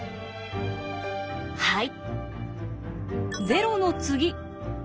はい。